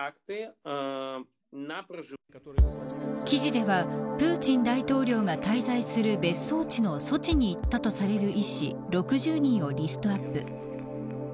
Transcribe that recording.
記事ではプーチン大統領が滞在する別荘地のソチに行ったとされる医師６０人をリストアップ。